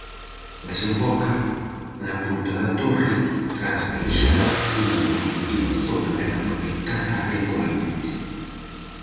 Desemboca na punta da Torre, tras deixar unha produtiva zona ben aproveitada agricolamente.